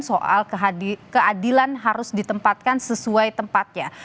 soal keadilan harus ditempatkan sesuai tempatnya